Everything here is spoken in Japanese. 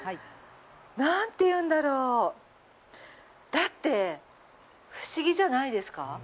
なんていうんだろう、だって不思議じゃないですか。